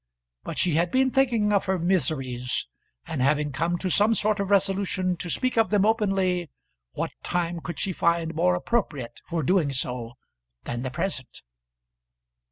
But she had been thinking of her miseries; and, having come to some sort of resolution to speak of them openly, what time could she find more appropriate for doing so than the present?